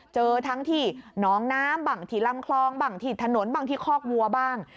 เจอทั้งที่หนองน้ำบ้างที่ลำคลองบางที่ถนนบ้างที่คอกวัวบ้าง